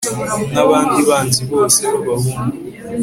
Nkabandi banzi bose babahungu